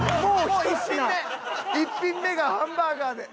１品目がハンバーガーで。